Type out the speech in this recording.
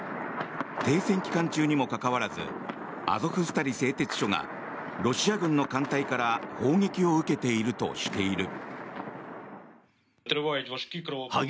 停戦期間中にもかかわらずアゾフスタリ製鉄所がロシア軍の艦隊から砲撃を受けているとしている。